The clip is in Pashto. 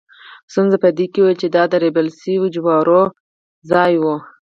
ستونزه یې په دې کې وه چې دا د ریبل شوو جوارو کرونده وه.